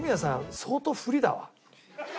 相当不利だわ。